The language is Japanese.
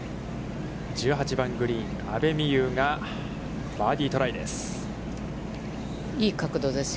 １８番グリーン、阿部未悠がバーディートライです。